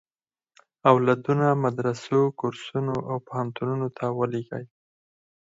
اولادونه مدرسو، کورسونو او پوهنتونونو ته ولېږي.